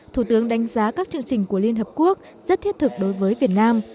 thủ tướng đánh giá các chương trình của liên hợp quốc rất thiết thực đối với việt nam